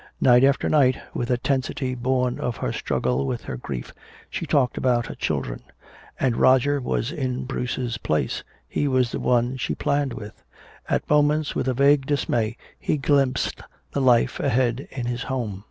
Night after night, with a tensity born of her struggle with her grief, she talked about her children. And Roger was in Bruce's place, he was the one she planned with. At moments with a vague dismay he glimpsed the life ahead in his home.